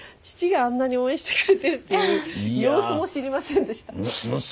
父があんなに応援してくれてるっていう様子も知りませんでした。